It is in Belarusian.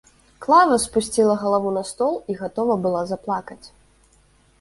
Клава спусціла галаву на стол і гатова была заплакаць.